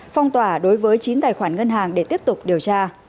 phong tỏa đối với chín tài khoản ngân hàng để tiếp tục điều tra